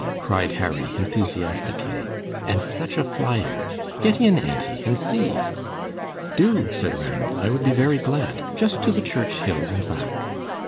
cried Harry, enthusiastically. "And such a flyer! Get in, auntie, and see." "Do," said Ranald; "I would be very glad. Just to the church hill and back."